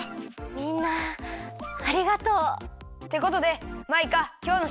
みんなありがとう。ってことでマイカきょうのしょくざいをおねがい。